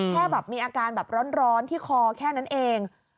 แค่แบบมีอาการแบบร้อนที่คอแค่นั้นเอง